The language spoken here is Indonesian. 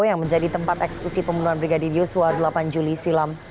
yang menjadi tempat eksekusi pembunuhan brigadir yosua delapan juli silam